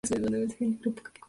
El dorso es de color oliva.